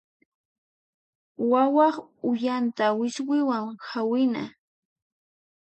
Wawaq uyanta wiswiwan hawina.